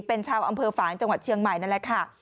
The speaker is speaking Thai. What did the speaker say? เป็นชาวอำเภอฝางจังหวัดเชียงใหม่นั่นแหละค่ะ